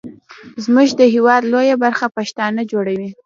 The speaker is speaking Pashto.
زمونږ د هیواد لویه برخه پښتانه جوړوي.